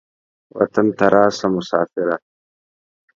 وطن ته راسه مسافره.